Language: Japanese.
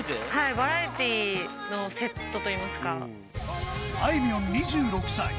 バラエティーのセットといいあいみょん２６歳。